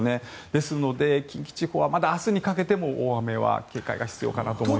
ですので近畿地方はまだ明日にかけても大雨は警戒が必要だと思います。